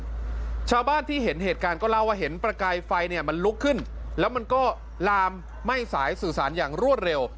ชาวบ้านที่เห็นเหตุการณ์ก็เล่าว่าเห็นประกายไฟเนี่ยมันลุกขึ้นแล้วมันก็ลามไหม้สายสื่อสารอย่างรวดเร็ว